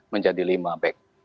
menjadi lima back